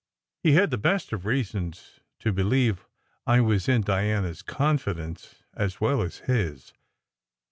He had the best of reasons to believe I was in Diana s confidence, as well as his.